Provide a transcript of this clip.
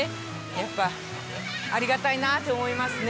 やっぱありがたいなと思いますね。